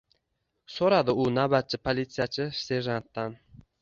so`radi u navbatchi polisiyachi serjantdan